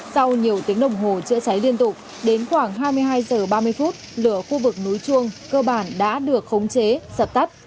sau nhiều tiếng đồng hồ chữa cháy liên tục đến khoảng hai mươi hai h ba mươi phút lửa khu vực núi chuông cơ bản đã được khống chế dập tắt